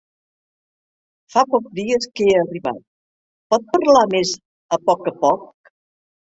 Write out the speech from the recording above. Fa poc dies que he arribat, pot parlar més a poc a poc?